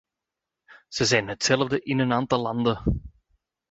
Ze zijn hetzelfde in een aantal landen.